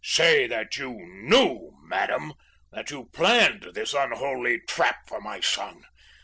"Say that you KNEW, madam; that you planned this unholy trap for my son.